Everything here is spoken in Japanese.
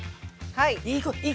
はい。